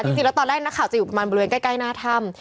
จริงแล้วตอนแรกนักข่าวจะอยู่ประมาณบริเวณใกล้หน้าถ้ำ